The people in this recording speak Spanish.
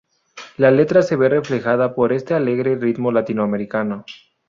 La letra se ve reflejada por este alegre ritmo latinoamericano.